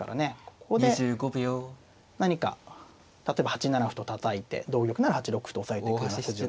ここで何か例えば８七歩とたたいて同玉なら８六歩と押さえて８筋を狙うとか。